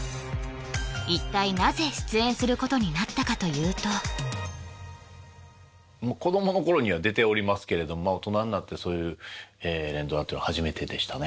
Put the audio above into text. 一体なぜ出演することになったかというと子どもの頃には出ておりますけれどまあ大人になってそういう連ドラというのは初めてでしたね